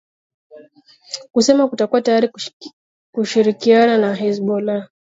kusema hatakuwa tayari kushirikiana na hezbollah